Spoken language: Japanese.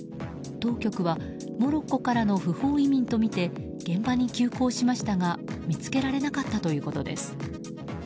当局はモロッコからの不法移民とみて現場に急行しましたが見つけられなかったということです。